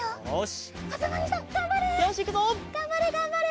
がんばれがんばれ！